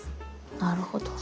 なるほど。